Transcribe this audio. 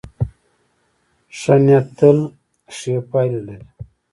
ښه نیت تل ښې پایلې لري.